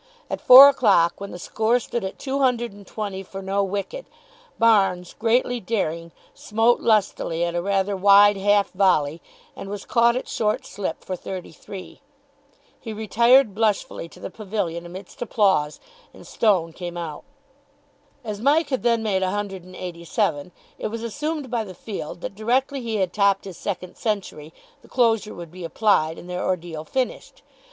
At four o'clock, when the score stood at two hundred and twenty for no wicket, Barnes, greatly daring, smote lustily at a rather wide half volley and was caught at short slip for thirty three. He retired blushfully to the pavilion, amidst applause, and Stone came out. As Mike had then made a hundred and eighty seven, it was assumed by the field, that directly he had topped his second century, the closure would be applied and their ordeal finished.